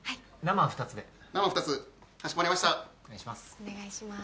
お願いします。